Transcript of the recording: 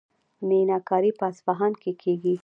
میناکاري په اصفهان کې کیږي.